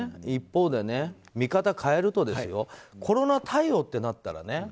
一方で、見方を変えるとコロナ対応ってなったらね